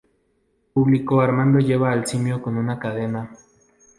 En público Armando lleva al simio con una cadena.